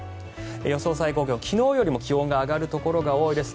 予想最高気温昨日よりも気温が上がるところが多いです。